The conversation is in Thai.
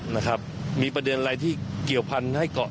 นะครับมีประเด็นอะไรที่เกี่ยวพันธุ์ให้เกาะ